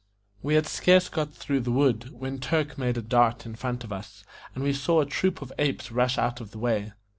We had scarce got through the wood, when Turk made a dart in front of us, and we saw a troop of apes rush out of the way.